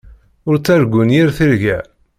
Ur ttargun yir tirga.